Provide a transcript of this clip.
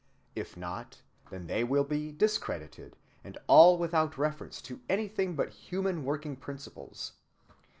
If not, then they will be discredited, and all without reference to anything but human working principles.